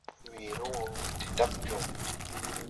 Weere wɔ de dag jõõ.